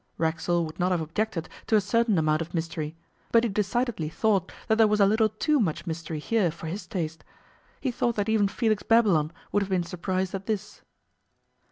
Racksole would not have objected to a certain amount of mystery, but he decidedly thought that there was a little too much mystery here for his taste. He thought that even Felix Babylon would have been surprised at this.